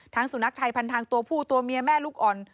สุนัขไทยพันทางตัวผู้ตัวเมียแม่ลูกอ่อน